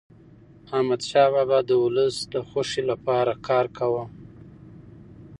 احمدشاه بابا د ولس د خوښی لپاره کار کاوه.